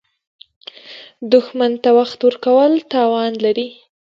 دښمن ته وخت ورکول تاوان لري